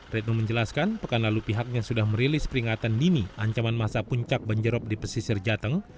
retno menjelaskan pekan lalu pihaknya sudah merilis peringatan dini ancaman masa puncak banjirop di pesisir jateng